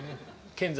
健在。